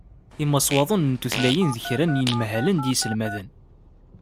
Imaswaḍen n tutlayin d kra n yinemhalen d yiselmaden.